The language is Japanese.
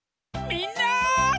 みんな！